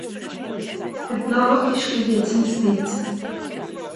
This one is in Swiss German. Gutnacht isch geh jetzt ins Bett